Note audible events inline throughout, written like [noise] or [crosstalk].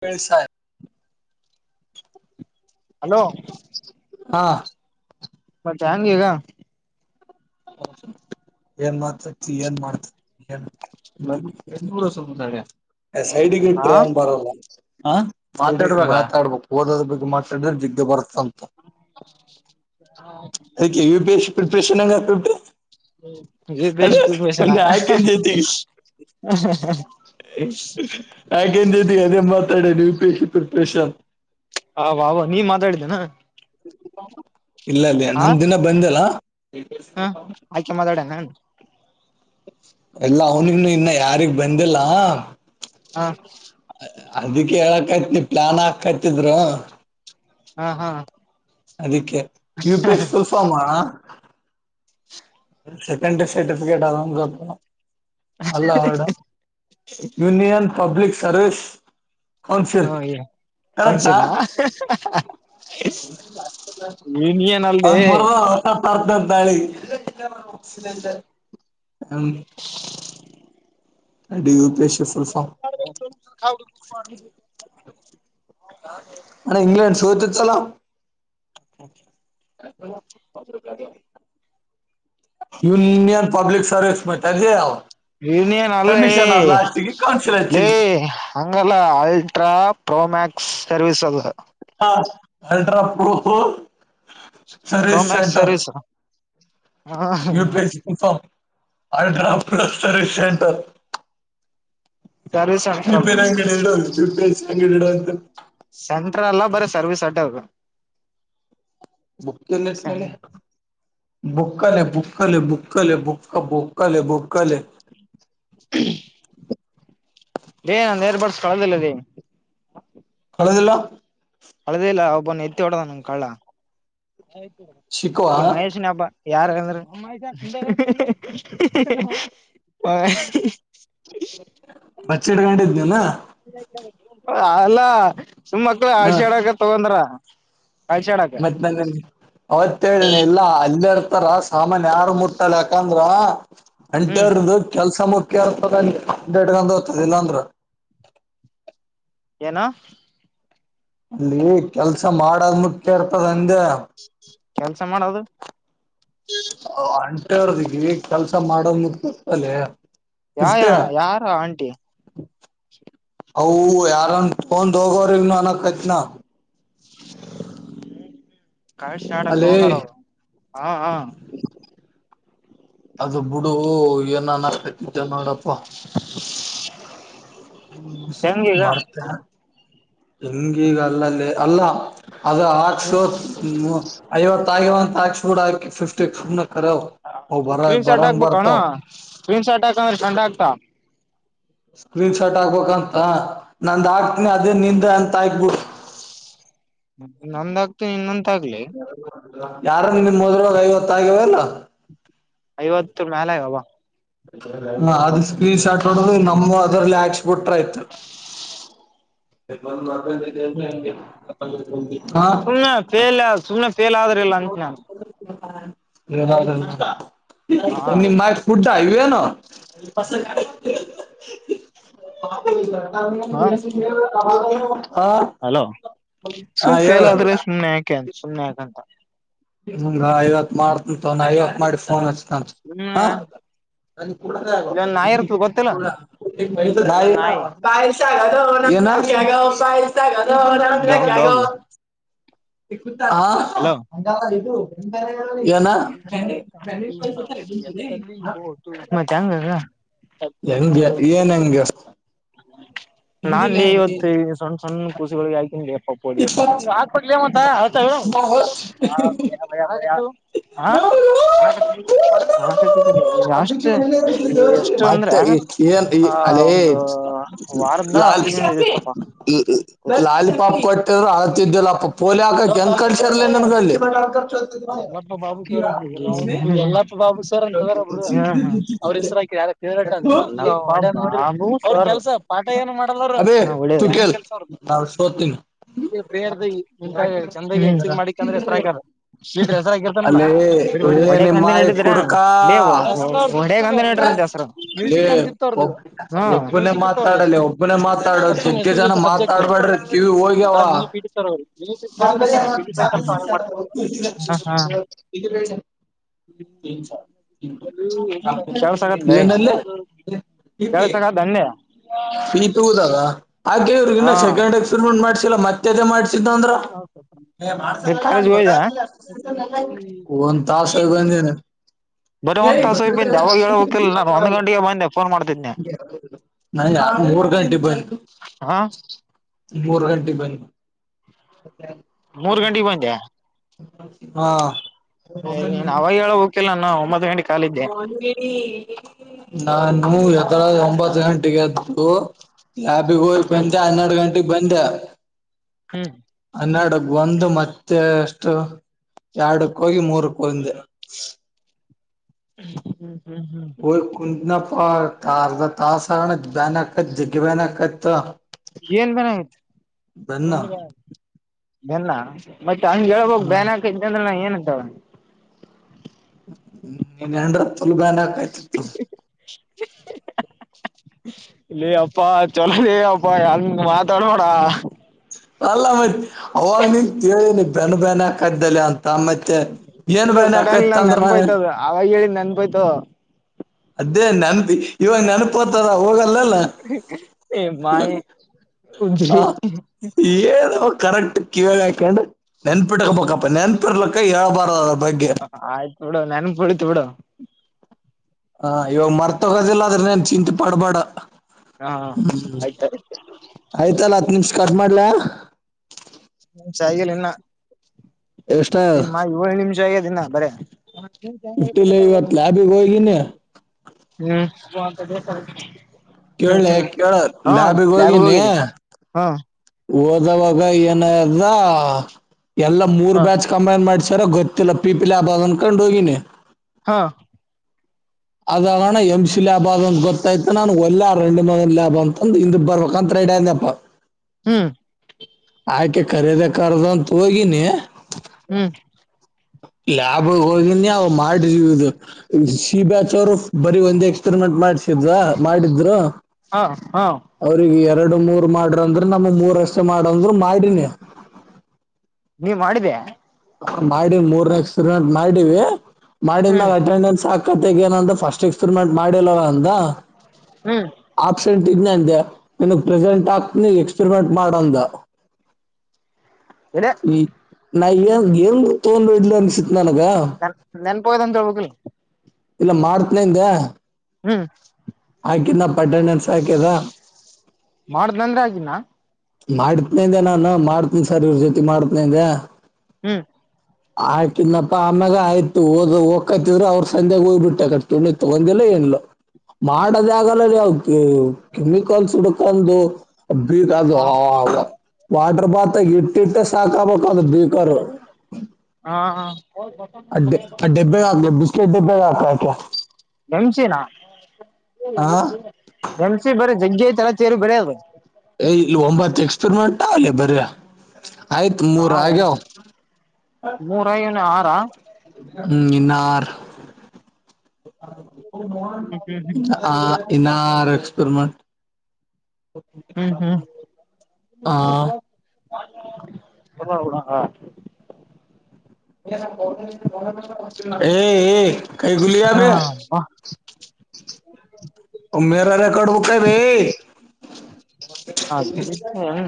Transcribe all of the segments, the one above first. ಕೆಳ್ಸಾಯ hello ಹಾಂ ಮಟ್ನ್ಗೆಗ ಕಸು ಏನ್ ಮಾಡ್ತತಿ ಏನ್ ಮಾಡ್ತಡ ಸೈಡ್ಿಗೆ ಹ ಟ್ರ್ಯಾನ್ ಬರಲ್ಲ ಹ ಮಾತಾಡ್ಬೇಕ ಮಾತಾಡ್ಬೇಕು ಓದೋದ ಬಗ್ ಮಾತಾಡಿದ್ರೆ ಜಿಗ್ಗ ಬರ್ತಂತ ಹಾ ಪ್ರಶ್ನ ಈ ಬೇಶ ತ ಬಸರ ಮೊನ್ನೆ ಆಕೆನ್ ಜೊತೆಗೆ ಆಯ ಎ ಅದೇ ಮಾತಾಡ ಯುಪಿ ಎ ಪ್ರಿಪರೇಷಾನ್ ಅವ ಅವ ನೀವ ಮಾತಾಡಿದ್ದೇನಾ ಇಲ್ಲ ಅಲ್ಲಿಯ ನಂದ ದಿನ ಬಂದಲ್ಲ ಹಾ ಆಯ್ಕೆ ಮಾತಾಡಣ ಎಲ್ಲ ಅವನಿಗನು ಇನ್ನ ಯಾರಿಗ್ ಬಂದಿಲ್ಲ ಹಾ ಅದಿಕ್ ಹೇಳಕೈತ್ ನೀ ಪ್ಲಾನ್ ಹಾಕೈತಿದ್ರು ಹಾ ಹಾ ಅದಕ್ಕೆ ಯು ಪಿ ಎಕ್ ಸ್ವಲ್ಪ ಮಾಡ ಸೆಕಂಡ್ ಸರ್ಿಫಿಕೇಟ್ ಆದ ಕ ಅಲ್ಲಡ ಯೂನಿಯನ್ ಪಬ್ಲಕ್ ಸರ್ವೀಸ್ ಹ ಕನ್ಸಿಲ್ಲ ನೀನ್ ಏನ ಅಲ್ೇ ಂತಾಳ ಹ ಅ ಉಪೇಶ [unintelligible] ಅೆ ಇಂಗ್ಲೆಂಡ ಸತೆ ಚಲ ಯುನಿಯನ್ ಪಬ್ಲಕ್ ಸರ್ವಿಸ ಮ ಇನಿಯನ್ ಅಲ್ಲ ಏ ಕೌನ್ಸಿಲ್ ಲ ಹಚ್ಚಿಂದು ಹಂಗಲ್ಲ ಅಲ್ಟ್ರಾ ಪ್ರೋಮ್ಯಾಕ್ಸ್ ಸರ್ವೀಸ್ ಅದ ಹಾ ultra proof service Pro Max centre service ಹ ಯು ಪಿ ಎಸ್ ಸಿಫ ಅಲ್ಡ್ರಾ ಪ್ಲಸ್ ಸರ್್ ಸೆಟರ್ ಸರ್ವಿಸ್ ವಿಪ ಸೆಂಟ್ರಲ್ ನಂಗಡಿ ಇ ಅಂಗಂತ ಸರ್ವಿಸ ಅ ಹೋಗ ಬುಕ್ನ್ನಟ್ಟಿಲ್ಲಲ್ಲೇ ಬುಕ್ಕಾಲ ಬುಕಲೆ ಬುಕ್ಕಲೆ ಬುಕ ಬುಕಾಲ ಬಕಲೆ ೇ ನಂದ ಏರ್ ಬಡ್ಸ್ಕೊಳದಿಲ್ಲದ ಹಳದಲ್ಲ ಅಳದೇ ಇಲ್ಲ ಒಬ್ಬನ ಎತ್ತಿ ಹೊಡ್ದ ನನ್ ಕಳ್ಳ ಶಿಕುವ ನೀ ಮಹೇಶನ ಹಬ್ಬ ಯಾರ ಅಂದ್ರ ಬತ್ೆಡು ಗಂಟೆ ಇದನನ ಅಲ್ಲ ಸುಮ್ಮ ಮಕ್ಕಳು ಆಡ್ ತಗೊಂಡ್ರ ಮತ್ತ ನಂದ ಅವತ್ೇಳನ ಇಲ್ಲ ಅಲ್ಲ ಇರ್ತಾರ ಸಾಮಾನ್ಯ ಯಾರ ಮುಟ್ಟಲ್ಲ ಯಾಕಂದ್ರ ಹ್ಮ್ ಅಂಟರ್ದು ಕೆಲ್ಸ ಮ ಕೆಪ್ಪ ಟಕ ಹತಲ್ಲ ಅಂದ್ರ ಏನ ಅಲ್ಲಿ ಕೆಲ್ಸ ಮಾಡದ್ ಮುಖ್ಯ ಇರ್ತದ ಅಂದೆ ಕೆಲ್ಸ ಮಾಡೋದು ಅಂಟರ್ದಿಗೆ ಕೆಲ್ಸ ಮಾಡದ ಗರ್ತಲ್ಲ ಯ ಯಾರು ಆಂಟಿ ಹ ಯಾರನ್ ೋಂದ್ ಹೋಗವ್ರಗ್ನು ಅನ ಕತ್ನಾ ಕಳ ಶಡ ಅಲ್ಲೇ ತಗೊಂಡಾರ ಹಾ ಹಾ ಓ ಏನಾನ ಕತಿದ್ದ ನೋಡಪ್ಪ [unintelligible] ಹ್ಮ ಹೆಂಗ ಈಗ ಮಾಡತ ಹಂಗೀಗ ಅಲ್ಲಲ್ಲಿ ಅಲ್ಲ ಅದು ಆರ್ಸ ಐವತ್ತ ಆಗ ಆಕ್ಸ್ಫೋರ್ಡ್ ಆ ಿಫ್ಟಿ ಕ್ರೀನ್ ಶರ್ಟ್ ಹಾಕ್ಬೇಕ ಅಣ ಕ್ರೀನ್ ಶರ್ಟ್ ಹಾಕಂದ್ರೆ ಂಡ ಆಗ್ತಾ ಸ್ಕ್ರೀನ್ ಶಾಟ್ ಆಗ್ಬೇಕಂತ ನಂದ ಆಗ್ತನಿ ಅದೇ ನಿಂದ ಅಂತ ಆಯಕ್ಬಿಡ್ ನಂದ ಆಗ್ತ ಇನ್ನಂತ ಆಗ್ಲಿ ಯಾರ ನಿ ನಿಮ ಮೊದ್ರವಾಗ ಐವತ್ತ ಆಗ್ಯವ ಅಲ್ಲ ಐವತ್ತು ನಾಲಯವ ಹ ಅದು ಸ್ಕ್ರೀನ್ ಶಾಟ್ ನೋಡ ನಮ್ಮ ಅದ್ರ ಬಿಟ್ರ ಆಯ್ತು ಅ ಹ್ಮ್ ಹಗೆ ಸುಮ್ನೆ ಫೇಲ್ ಸುಮ್ಮನೆ ಫೇಲ್ ಆದ್ರಲ್ಲ ಅಂತ ನು ಹಾ ಮಾೈಕ್ ಪುಡ್ತ ಆನು ಕಸ ಹ ಹ ಅಲೋ ಸುಮ್ ಹೇಳ ಫೇಲ್ ಆದ್ರೆ ಸುಮ್ನೆ ಯಾಕೆ ಸುಮ್ನೆ ಯಾಕಂತ ಹಂಗ ಐವತ್ ಮಾಡ್ತಂತ ಐವತ್ ಮಾಡಿ ಫೋನ್ ಹಚ್ತ ಹ ಸುಮ್ನೆ ಅ ಪೂಡ ಕಗ ಇಲ್ಲೊಂದ್ ನಾಯಿ ಇರ್ತದ ಗೊತ್ತಿಲ್ಲ ಮಿನ ಇಲ್ಲೊಂದ್ ರಾಮನಾ ನಾಯಿ ಕಗ ಪಾಯಲ್ಸಾಲ ಡಾಗ್ ರಾಮನಾಕ್ಷ್ಯಾಗ ಡಾಗ್ ಹಲೋ ಇದು ಬೆ ಬನಫಟ್ ಪೈಸದೆ ಹೆಗೆ ಮತ್ ಹೆಂಗ ಏನ್ ಹೆಂಗೆ ನಾ ಇವತ್ತು ಸಣ್ಣ ಸಣ್ಣ ಖುಷಿಗಳಿಗೆ ಆಾ್ಕಿನ ಒಬೋದ ನೀ ಹಾಕ್ಬಲಂತತ ಹ ನ ಜಾಸ್ೇ ಎಷ್ಟು ಅಂದ್ರ ಕನ್ ಈ ಆ ಒಂದು ಅನಜ ವಾರದ ಲಾಲ್ ಹತ್ತು ದಿನ ಇರುತ್ತಪ್ಪಾ ಕೋರ್ಸ್ ಲಾಲ ಪಾಪ್ ಪಟ್ಟಿದರು ಅತಿದ್ದಿಲ್ಲ ಪೋಲಿ ಹಾಕಕ್ ಎಂಗಂತ ಕಳ್ಸರ್ಲ ನನ್ಗಲ್ಲಿ ಎಲ್ಲಪ್ಪ ಬಾಬು ಸರ್ ಅಂತ ಎಲ್ಲಪ್ಪ ಬಾಬು ಸರ್ ಅಂತ್ರಬ್ ಅವ್ರ ಹೆಸರಾ ಯ ವ್ರಟ್ ಅಂತ ಕೆಲ್ಸ ಪಾಠ ಏನು ಮಾಡ ಆ ಸೋ ತಿಿನ ಪ್ರೇರ್ದ ಮುಂಂತ ಚಂದೈ ಹೆಸ ಮಾಡಿಿಕಂದ್ರೆ ಹೆಸರ ಆಗದ ಈ ಹೆಸರಗಿರ್ತನಲ್ಲ ಅಲ್ಲೇ ಏ ನಿಮ್ಮ ಮಾಯಿ ನಡಿದ್ರ ಕುಡ್ಕಾ ಅಲ್ಲಿ ಮ್ಯೂಸಿಕ್ ಅಂತ ಇತ್ತು ಅವರ್ದ ಒಬ್ ಒಬ್ಬನೇ ಮ್ಯೂಸಿಕ್ ಇತ್ತು ಅವರ್ದ ಸುಮ್ ಹೆಸರು ಮಾತಾಡ್ಬಡ್ರಿ ಕಿವಿ ಹೋಗಿ ಬರ ಮಿನಿ ಬಿಡ್ತಾರ ಮಲ್ಬಜಾರ ಚಾ ಹ ಹಾ ಇ ಬೆ ಕೆಳ್ಸಕತ್ ಲೇ ನೀನಲ್ಲ ಪ ಪ ಕೆಳ್ಸಕತ್ ಅಂದೆ ಪೀಿತು ದದಾ [unintelligible] ಹಾಗೆ ಇ್ರಗ ಹಾ ಇನ್ನ ಸೆಕಂಡ್ ಎಕ್ಸ್ಪೆರಿೆಂಟ್ ಮಾಡಸಿಲ್ಲ ಮತ್ತೆ ಅೇ ಮಾಡ್ಸ ಇವತ್ ಕಾಲೇಜ್ ಹೋಗಿದ್ಯಾ ೊ ಒಂದ್ ತಾಸ ಬ ಸಾರ್ ಹೇ ಬರೀ ಒಂದ್ ತಾಸ ಬಂದೆ ಅವಾಗ ಹೇಳಬೇಕಿಲ್ಲ ನಾನು ಒಂದ್ ಗಂಟೆಗೆ ಬಂದೆ ಫೋನ್ ಮಾಡ್ತಿದ್ನೆ ನಂಗ್ಯಾ ಮೂರ್ ಗಂಟೆ ಬಂದ್ ಹಾ ಮೂರು ಗಂಟೆಗೆ ಬಂದ್ ಮೂರ್ ಗಂಟೆಗೆ ಬಂದ್ಯಾ ಹಾ ಹ ನೀನ್ ಅವಾಗ ಹೇಳಬೇಕಿಲ್ಲ ನಾನು ಒಂಬತ್ತು ಗಂಟೆ ಕಾಲಿದ್ದೆ ಮೊಯಿನಿ ನಾನು ಒಂಬತ್ತು ಗಂಟೆಗೆದ್ದು ಯಾಬಿಗ ಹ್ಮ್ ಹಂದೆ ಹನ್ನೆರಡು ಗಂಟೆಗೆ ಬಂದೇ ಹೂ ಹನ್ನೆರಡ ಬಂದು ಮತ್ತೆ ಅಷ್ಟು ಎರಡುಕ್ಕೂ ಹೋಗಿ ಮೂರುಕ್ಕೆ ಬಂದೆ ಹೂ ಹೂ ಹೂ ಇನ್ನಪ್ಪಾಾರ್ದ ತಾಸಸ್ಣ ಬ್ಯಾನ್ ಹಕತ್ ಜಿಗ್ಗ ಬ್ಯಾನ್ ಹಕತ್ ಏನ್ ಬ್ಯಾನ್ ಅಗತಿ ಬೆನ್ನ ನಡಿ ತಂಗ್ಗೆ ಹೇಳಳ್ಬ ಬ್ಯಾನ್ಕ್ದ ಅಂದ್ರೆ ನಾ ಏನ್ಂತಾಳ ಹೂ ನ್ ಹೆಂಡ್ರತ್ತಲ್ ಬ್ಯಾಂಡ ಹಾಕಾಯ್ತಿತ್ತು ಲೆ ಅಪ್ಪಾ ಚಲೋ ಅಪ್ಪಾಹಾಂಗ್ ಮಾತಾಡ್ಬೋಡ ಅಲ್ಲ ಮತ್ತ್ ಅವಾಗ ನೀನ್ ಕೇಳಿನಿ ಬೆನ್ನ ಬೆನಕ ಇದ್ದಲೆ ಅಂತ ಮತ್ತೆ ಏನ್ ಇಲ್ಲ ಬನ್ಕೈತ್ ಅಂದ್ರ ನನ್ಪೋಯ್ತ ಅದೇ ನೆನ್ಂತಿ ಇವಾಗ ನೆನಪತಾರ ಹೋಗಲ್ಲಲ್ಲ ಏ ಮಾಯಿ ಉಜ್ರಿ ಹ ಏನು ಕರೆಕ್ಟ್ ಕಿವಿ ಹಾಕೊಂಡು ನೆನ್ಪಿಟ್ಟಕ್ ಬಬೇಕಪ್ಪ ನೆನ್ಪಿರ್ಲಕ್ಕ ಹೇಳಬಾರ ಆಯ್ತೋಡ ನನ್ಪಡ ೋಡೋ ಅ ಚಿಂತ ಪಾಡು ಪಾಡ ಹಾ ಹೂ ಆಯ್ತಾಯ್ತು ಆಯ್ತಲ್ಲ ಹತ್ ನಿಮ್ಷ ಕಟ್ ಮಾಡ್ಲ ನಿಮ್ಷಗ ಇನ್ನ ಎಷ್ಟ ನಿಮ್ಮ ಏಳು ನಿಮಿಷ ಆಗದ ಇನ್ನ ಬರ ನಿಫ್ಟಿ ಲೈ ಹೊತ್ತು ಲ ಆಬಿಗಯಗಿ ಹೂ ಕೇಳ ಕೇಳ ಲಾಬಿಗ್ ಲ್ಯಾಬ್ಗೆ ಹೋಗಿನಿ ಹೋಗಿದ್ದಿ ಹಾ ಓದುವಗ ಏ ಎಲ್ಲ ಮೂರ್ ಹಾ ಬ್ಯಾಚ್ ಕಂಬೈನ್ ಮಾಡ್ ತರ ಗೊತ್ತಿಲ್ಲ ಪೀಪಲೆ ಅ ಬನ್ ಕೊಂಡು ಹೋಗಿನ ಹಾ ಅಣ ಎಂ್ ಸಿ ಲ್ಾಬ್ ಆದಂತ ಗೊತ್ತಾಯ್ತ ನಾನು ಒಲ್ಲಾ ರೆಂಡ ಮ ಲ್ಯಾಬ್ ಅಂತಂದ ಹಿಂದ ಬರ್ಬೇಕಂತ ರೆಡಿ ಅಡ್ಯಪ್ಪ ಹ್ಮ್ ಆಕೆ ಕರೀದ ಕರದ ಅಂತ ಹೋಗಿನಿ ಹ್ಮ್ ಲ್ಯಾಬ ಹೋಗಿನಿ ಅವ ಮಾಡಿರುದು ಸಿ ಬ್ಯಾಚ್ ಅವರುಫ ಬೀ ಒಂದಂದು ಎಕ್ಸ್ಪಿರಿಮೆಂಟ್ ಮಾಡಸಿದ್ವಾ ಮಾಡಿದ್ರು ಹಾ ಹಾ ಅವಿಗೆ ಎರಡು ಮೂರ್ ಮಾಡ್ರ ಅಂದ್ರ ನಮ ಮೂರಷ್ಟ ಮಾಡಂದ್ರು ಮಾಡನಿ ನೀವ ಮಾಡಿದ್ಯಾ ಮಾಡಿ ಮೂರ್ನಕ್ಸ್ಪೀಮೆಂಟ್ ಮಾಡಿವಿ ಮಾಡಿದ ಹ್ಮ್ ಅಟೆಂಡೆನ್ಸ್ ಹಾ ಕತೆಗ ಏನಂತ ಫಸ್ಟ್ ಎಕ್ಸ್ಪೆರಿಮೆಂಟ್ ಮಾಡಿಲ್ಲವ ಅಂದ ಹ್ಮ್ ಆಪ್ಸೆಂಟ್ ೆ ನನ್ಗ್ ಪ್ರೆಸೆಂಟ್ ಆಗ್ತನ ಎಕ್ಸ್ಪೆರಿಮೆಂಟ್ ಮಾಡಂದ ಒಡೆಯರ್ ನ ತೋೊಂಡ ವೇಡ್ಲ ನ್ ನನ್ಪಯತಂದಮಗಲ್ ಇಲ್ಲ ಮಾಡತ್ನಂದೆ ಹ್ಮ್ ಹಾಕ ನ ಪಟ್ಟಣನ್ ಸಾಕ್ಯದ ಮಾಡ್ದ್ಂದ್ರೆ ಆಗಿನ ಮಾಡತ್ನೇಂದೆ ನಾನು ಮಾಡ್ತನಿ ಸರ್ ಇವ್ರ ಜೊತೆ ಮಾಡತ್ನಂದೆ ಹ್ಮ್ ಆಾಕನ್ಪ್ಪಾ ಆಮ್ಯಾಗ ಆಯ್ತು ಹದ್ ಹ್ಕತಿದ್ರು ಅವರು ಸಂಜ್ಯಾಗ ಹೋಗ್ಬ ಬಿಟ್ಟ ಕೊಂಡಿತ್ತು ಒಂದಲ್ಲ ಮಾಡದ ಆಾಗಲ್ಲ ಯಾವ ಕೆಮಿಕಲ್ಸ್ ಹುಡ್ಕೊಂಡು ಅ ಕ ಹ ಹ ವಾಟರ್ ಬಾತ್ಲ್ ಇಟ್ಟಿಟ್ಟ ಸಾಕಬೇಕ ಅಂದ್ರ ಬೀಕರು ಹಾ ಹ ಅ ಡಬ್ಬೆ ಬಿಸಕಟ್ ಡಬ್ಬೆ ಆತಾ ನೆಮ್ಸಿನ ಆ ನೆಮ್ಸಿ ಬರ ಜಗ್ಜ ಐತಿ ರ ಚೇರು ಬರದು ಏ ಇಲ್ಲಿ ಒಂಬತ್ತು ಎಕ್ಸ್ಪೆರಿಮೆಂಟ್ಲ್ಲ ಬರಯ ಆಯ್ತು ಮೂ ಹಾ ರಗಾವ ಮೂರನ ಆರ ಹ್ಮರ್ ಹ್ಮ್ ಹ್ಮ್ ಆ ಇನ್ನಾರ ಎಕ್ಸ್ಪೆರಿಮೆಂಟ್ ಹ್ಮ್ ಹ್ಮ್ ಆ ಎಲ್ಲಡ ಏ ಏ ಕೈ ಗುಲಿ ಆಬ ಹಾ ಮೇರ ರೆಕಾರ್ರ್ಡ್ ಬುಕ ಭೈ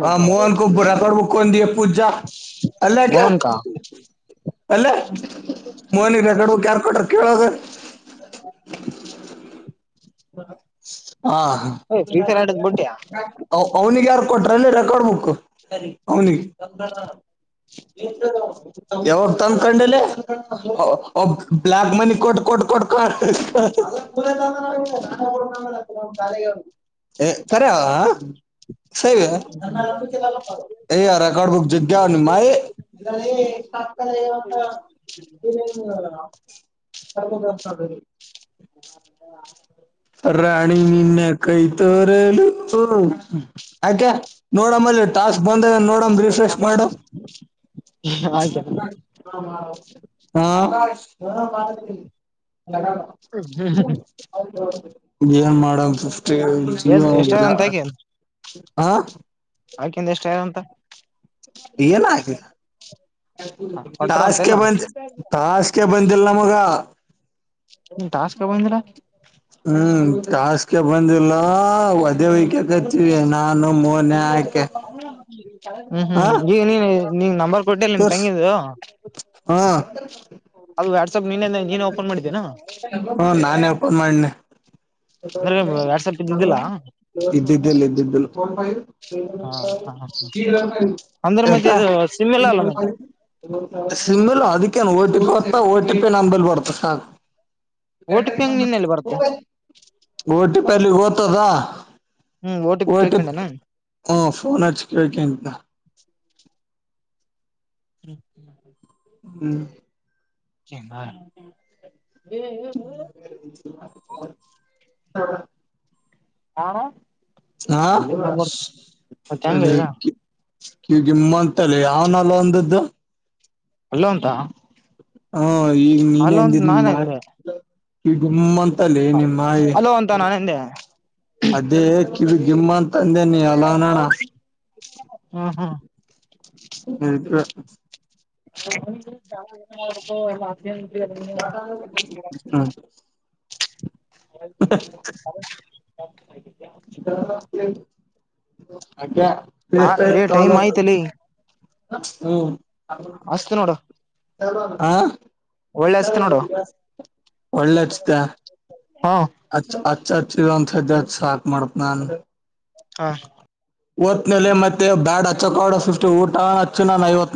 ಹ ಮೋಹನ್ಕ ಬುರಾ ತಡಬು ಕೊಂಡ ದ ಪೂಜಾ ಅಲ್ಲ ಮೋಹನ್ ಕಾ ಅಲ್ಲೇ ಮಹನಿ ರಕಡ್ಬೇಕಕ್ ಯಾರ್ ಕೊಟ್ರ ಕೇಳದ ಹ ಹಾ ಫ್ರೀ ಫೈರ್ ಆಡದ್ ಬಿಟ್ಟ್ಯಾ ನೀ ಯಾರ ಕೊಟ್ರಲ್ಲಿ ರೆಕಾರ್ಡ್ ಬುಕ್ ಅವನಿಗೆ ಯಾವಾಗ ತಂದಕೊಂಡಲ್ಲಿ ಬ್ಲಾಕ್ ಮನಿ ಕೊಟ್ಟ ಕೊಟ್ಟ ಕೊಟ್ಟ ಕೊ ಸರಿ ಹಗ ಎ ಕ ಕಡ್ಬುಕ್ ಜ ಮಾಡಯ ಇರಕ ಹಲ್ಲ ರಾಣಿ ನಿನ್ನ ಕೈ ತೋರೆಲು ಆಾಕೆ ನೋಡಮಲ್ಲಿ ಟಾಸ್ಕ್ ಬಂದ ನೋಡ ರರಿಫ್ರೆಶ್ ಮಾಡು ಹಾ ಕಾಲ ಹ ಅವ ಏನ್ ಮಾಡಷ್ಟ ಎಷ್ಟ ಅಂತ ಆಕೆ ಆ ಆಕಂದ ಎಷ್ಟ ಯಾರ ಅಂತ ಏನ ಆ ಕೊಟ್ರ ಟಾಸ್ಗೆ ಅಂತೆಲ್ಲ ಬಂದ ಟಾಸ್ಗೆ ಬಂದಿಲ್ಲ ನಮಗ ಟಾಸ್ಕಿ ಬಂದಿರಾ ಹ್ಮ್ ಟಾಸ್ಕೆ ಬಂದಿಲ್ಲ ಅದೇ ವಕ ಕತೀವಿ ನಾನು ಮೊನ ಆಯಕೆ ಹ್ಮ್ ಹ್ಮ್ ಈಗ ನೀ ನೀನ್ ನಂಬರ್ ಕೊಟ್ಟಿಲ್ಲ ನಿನ್ ತೋರ್ಸ್ ತಂಗಿದ್ದು ಹಾ ಅದು ವಾಟ್ಸಪ್ ನೀನೇ ನೀನ್ ಓಪನ್ ಮಾಡಿದ್ದೇನಾ ಹ್ಮ ನಾನೇ ಓಪನ್ ಮಾಡನೆ ಅಂದ್ರೆ ವಾಟ್ಸಪ್ ಇದ್ದಿದ್ದಿಲ್ಲ ಇದ್ದಿದ್ದಲ್ಲ ಇದ್ದಿದ್ದಿಲ್ಲ [inaudible] ಹ ಹ ಅಂದ್ರೆ ಮತ್ತೆ ಇದು ಸಿಮ್ ಇಲ್ಲ ಅಲ್ಲ ಮತ್ತೆ ಸಿಮ್ಮಲ್ ಅದಕ್ಕೇನ್ ಓಟಿ ಪಿ ಹೊತ್ತ ಓಟಿ ಪಿ ನಂಬಲ್ ಬರ್ತ ಸಾ ಓ ಟಿ ಪಿ ಹೆಂಗ್ ನಿನ್ನಲ್ಲಿ ಬರುತ್ತೆ ಟಿ ಪಲ್ಲಿ ಗತದ ಹ್ಮ್ ಓ ಟಿ ಹ ಪಿ ತಿಳ್ಕೊಂಡೇನಾ ಹ ಫೋನ್ ಅಚ್ಚ ಕಿಂದ ಹ್ಮ್ ಹ್ಮ್ ಚ ಹ ಹಾ ಹಾ ಮತ್ತ ಅ ಹೆಂಗ ಈಗ ಕಿವಗಿಮ್ಮಂತಲ್ಲಿ ಯಾವನಲ್ಲ ಒಂದದ್ದು ಅಲ್ಲ ಉಂತ ಹ ಈಗ ನೀನ್ಂದಮ್ಮಂತ ಎಂದೆ ನಿಮ್ಮಾಯಿ ಅಲೋ ಅಂತ ನಾನ ಎಂದೆ ಅದೇ ಇಿವ ಗಿಮ್ಮ ಅಂತಂದೆನ ಅಲ್ಲನಣ ಹ್ಮ್ ಹ್ಮ್ ಹ ಲ್ಲ ಅ [inaudible] ಅ ಆ ಇ ತಾಲ ಟೈಮ್ ಆಯ್ತಲ್ಲಿ ಹ್ಮ್ ಹಷ್ಟ ನೋಡ ಹಾ ನೋಡು ಒಳ್ಳೆಚ್ಿತ ಹ್ಮ ಅ ಅಚ್ಚ ಹಚ್ಚ ಒಂತ ಸಾಕ್ ಮಾಡ್ತ್ ನಾನ್ು ಹಾ ತ್ನೆಲೆ ಮತ್ತೆ ಬ್ಯಾಡ್ ಅಚ್ಚಕವಾಡ ಸೃಷ್ಟಿ ಊಟ ಅಚ್ಚುನಾನ ಐವತ್ ನ